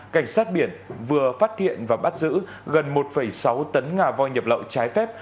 cảnh sát biển vừa phát hiện và bắt giữ gần một sáu tấn ngà voi nhập lậu trái phép